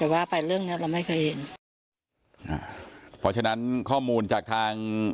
แต่ว่าไปเรื่องเนี้ยเราไม่เคยเห็นอ่าเพราะฉะนั้นข้อมูลจากทาง